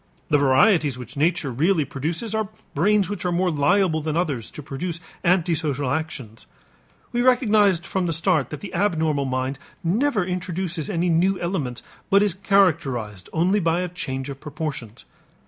The varieties which nature really produces are brains which are more liable than others to produce antisocial actions. We recognized from the start that the abnormal mind never introduces any new elements but is characterized only by a change of proportions.